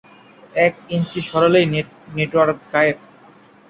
এক ইঞ্চি সরালেই নেটওয়ার্ক গায়েব।